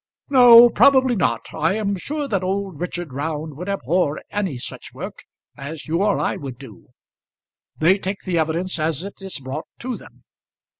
"No, probably not. I am sure that old Richard Round would abhor any such work as you or I would do. They take the evidence as it is brought to them.